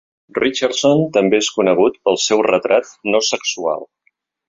Richardson també és conegut pel seu retrat no sexual.